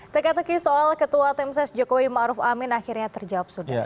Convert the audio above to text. tktk soal ketua timses jokowi maruf amin akhirnya terjawab sudah